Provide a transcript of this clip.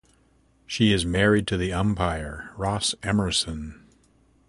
She is married to the umpire Ross Emerson.